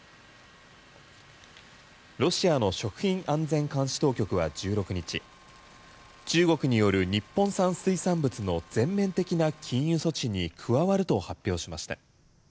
ロシアの食品安全監視当局は１６日中国による日本産水産物の全面的な禁輸措置に加わると発表しました。